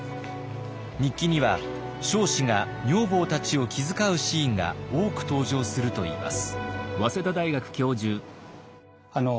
日記には彰子が女房たちを気遣うシーンが多く登場するといいます。